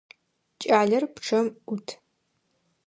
Кӏалэр пчъэм ӏут.